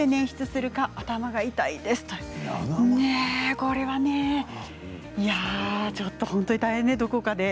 これはねちょっと本当に大変ですね。